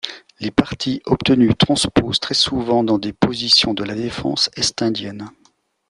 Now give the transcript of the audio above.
Les parties obtenues transposent très souvent dans des positions de la défense Est-indienne.